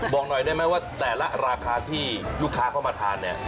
บอกหน่อยได้ไหมว่าแต่ละราคาที่ลูกค้าเข้ามาทานเนี่ย